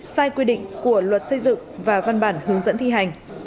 sai quy định của luật xây dựng và văn bản hướng dẫn thi hành